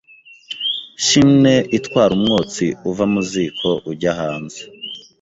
Chimney itwara umwotsi uva mu ziko ujya hanze.